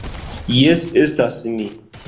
Jes, estas mi